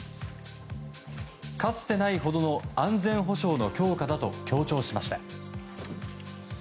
かつてないほどの安全保障の強化だと強調しました。